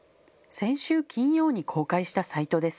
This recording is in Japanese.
先週金曜に公開したサイトです。